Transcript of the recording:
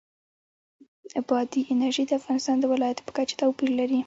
بادي انرژي د افغانستان د ولایاتو په کچه توپیر لري.